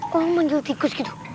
mau manggil tikus gitu